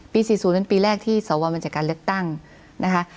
๔๐เป็นปีแรกที่สวมาจากการเลือกตั้งนะคะ